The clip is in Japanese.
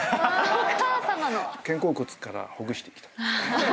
肩甲骨からほぐしていきたい。